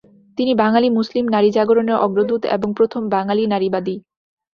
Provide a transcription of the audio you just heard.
তিনি বাঙালি মুসলিম নারী জাগরণের অগ্রদূত এবং প্রথম বাঙালি নারীবাদী।